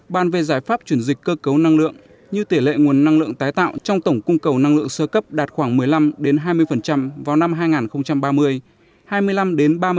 bàn về giải pháp chuyển dịch cơ cấu năng lượng như tỷ lệ nguồn năng lượng tái tạo trong tổng cung cầu năng lượng sơ cấp đạt khoảng một mươi năm hai mươi vào năm hai nghìn ba mươi